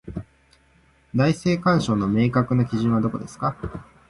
内政干渉の明確な基準はどこですか？